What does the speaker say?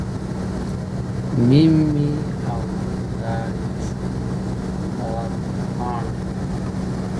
ميم’ يې او نون دادي د سونډو د خندا پر پــاڼــه’